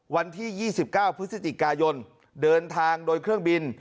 วันที่๒๙พฤศจิกายนเดินทางโดยเครื่องบิน